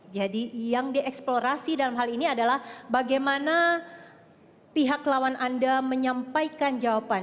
jadi yang dieksplorasi dalam hal ini adalah bagaimana pihak lawan anda menyampaikan jawaban